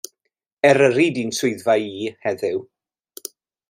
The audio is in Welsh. Eryri 'di'n swyddfa i heddiw.